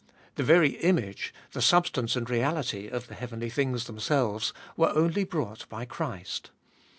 The very image, the substance and reality, of the heavenly things themselves, were only brought by Christ.